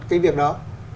cái việc đó